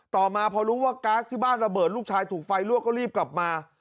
ต่อมาพอรู้ว่าก๊าซที่บ้านระเบิดลูกชายถูกไฟลวกก็รีบกลับมา